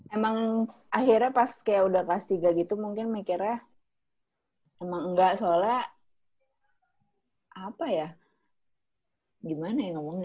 emang akhirnya pas udah kayak kelas tiga gitu mungkin mikirnya emang engga soalnya apa ya gimana ya ngomongnya ya